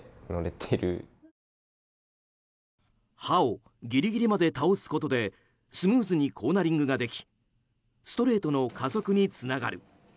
刃をギリギリまで倒すことでスムーズにコーナリングができストレートの加速につながる。